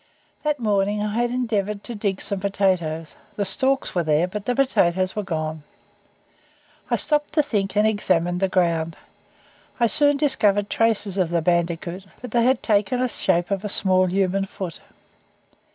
That morning I had endeavoured to dig some potatoes; the stalks were there, but the potatoes were gone. I stopped to think, and examined the ground. I soon discovered tracks of the bandicoot, but they had taken the shape of a small human foot.